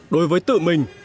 đối với tự mình